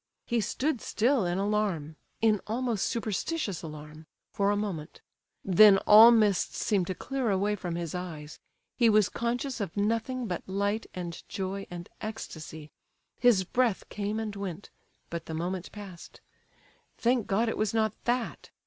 He stood still in alarm—in almost superstitious alarm, for a moment; then all mists seemed to clear away from his eyes; he was conscious of nothing but light and joy and ecstasy; his breath came and went; but the moment passed. Thank God it was not that!